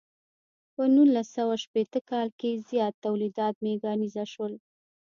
په نولس سوه شپیته کال کې زیات تولیدات میکانیزه شول.